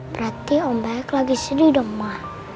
berarti om baik lagi sedih dong ma